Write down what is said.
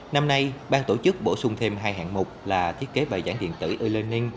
năm nay bang tổ chức bổ sung thêm hai hạng mục là thiết kế bài giảng điện tử e learning